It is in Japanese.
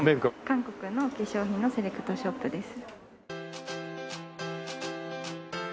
韓国の化粧品のセレクトショップです。